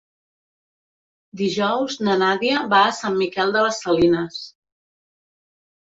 Dijous na Nàdia va a Sant Miquel de les Salines.